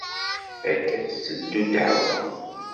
Akka i tetteddu ddeɛwa.